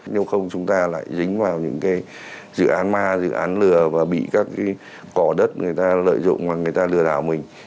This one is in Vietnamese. nếu không chúng ta lại dính vào những cái dự án ma dự án lừa và bị các cái cỏ đất người ta lợi dụng và người ta lừa đảo mình